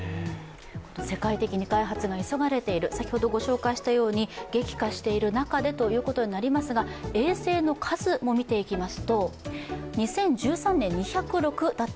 世界的に開発が急がれている先ほどご紹介したように激化している中でということになりますが、衛星の数も見ていきます。